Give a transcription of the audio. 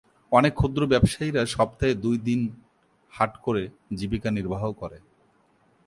অনেক ক্ষুদ্র ব্যবসায়ীরা সপ্তাহে দুই দিন হাট করে জীবিকা নির্বাহ করে।